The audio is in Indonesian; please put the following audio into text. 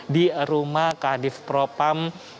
di rumah kadif propam